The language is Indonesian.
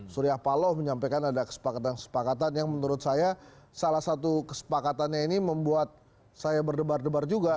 surya paloh menyampaikan ada kesepakatan kesepakatan yang menurut saya salah satu kesepakatannya ini membuat saya berdebar debar juga